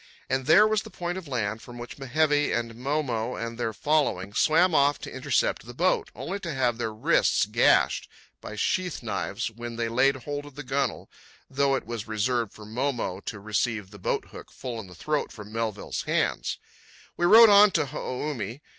And there was the point of land from which Mehevi and Mow mow and their following swam off to intercept the boat, only to have their wrists gashed by sheath knives when they laid hold of the gunwale, though it was reserved for Mow mow to receive the boat hook full in the throat from Melville's hands. We rode on to Ho o u mi.